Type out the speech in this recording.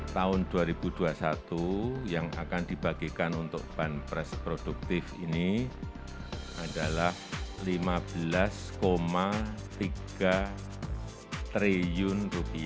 tahun dua ribu dua puluh satu yang akan dibagikan untuk banpres produktif ini adalah rp lima belas tiga triliun